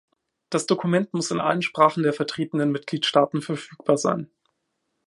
Das Dokument muss in allen Sprachen der vertretenden Mitgliedstaaten verfügbar sein.